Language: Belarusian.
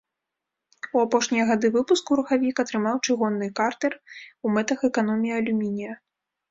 У апошнія гады выпуску рухавік атрымаў чыгунны картэр у мэтах эканоміі алюмінія.